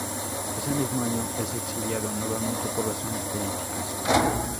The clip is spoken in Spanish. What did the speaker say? Ese mismo año, es exiliado nuevamente por razones políticas.